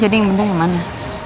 jadi yang bener yang mana